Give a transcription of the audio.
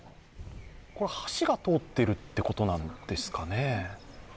橋が通っているということなんですかね？